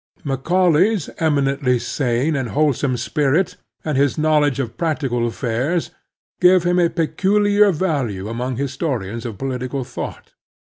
Macaulay's eminently sane and wholesome spirit and his knowledge of practical affairs give him a peculiar value among historians of political thought.